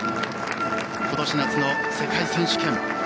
今年夏の世界選手権